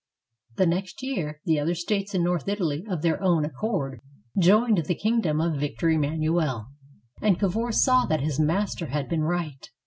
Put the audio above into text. The next year, the other states in North Italy of their own accord joined the kingdom of Victor Emmanuel, and Cavour saw that his master had been right.